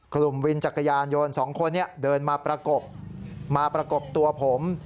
กลุ่มวินจักรยานยนต์สองคนนี้เดินมาประกบมาประกบตัวผม